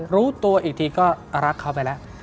รู้ตัวอีกทีก็รักเขาไปแล้ว